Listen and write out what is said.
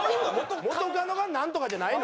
「元カノがナントカ」じゃないの？